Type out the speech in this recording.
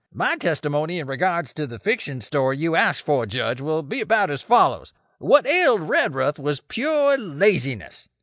My testimony in regards to the fiction story you ask for, Judge, will be about as follows: What ailed Redruth was pure laziness.